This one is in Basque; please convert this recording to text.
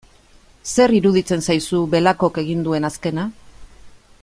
Zer iruditzen zaizu Belakok egin duen azkena?